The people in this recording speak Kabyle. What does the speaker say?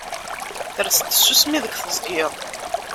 Ters-d tsusmi deg teẓgi.